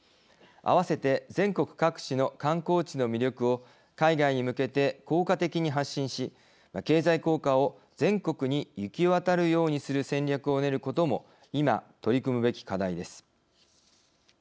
併せて全国各地の観光地の魅力を海外に向けて効果的に発信し経済効果を全国に行き渡るようにする戦略を練ることも今、取り組むべき課題です。